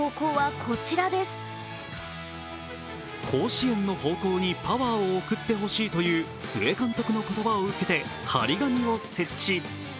甲子園の方向にパワーを送ってほしいという須江監督の言葉を受けて貼り紙を設置。